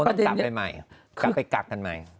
ก็ต้องตับใหม่กลับไปกลับกันใหม่